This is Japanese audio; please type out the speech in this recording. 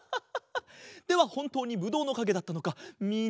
ではほんとうにぶどうのかげだったのかみんなにみせてあげよう。